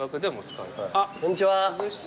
こんにちは。